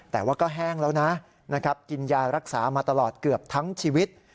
แต่ว่าก็แห้งแล้วนะกินยารักษามาตลอดเกือบทั้งชีวิต